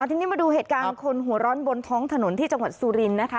ทีนี้มาดูเหตุการณ์คนหัวร้อนบนท้องถนนที่จังหวัดสุรินทร์นะคะ